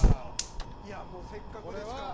いやもうせっかくですから。